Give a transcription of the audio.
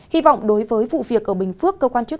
hy vọng đối với vụ việc ở bình phước